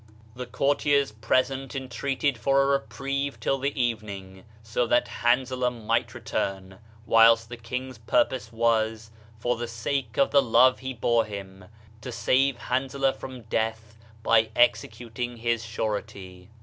The courtiers present entreated for a reprieve till the evening, so that Hanzalah might return; whilst the king's purpose was, for the sake of the love he bore him, to save Hanzalah from death by executing his surety.